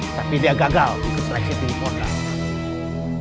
tapi dia gagal ikut reksit di portal